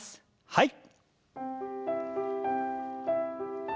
はい。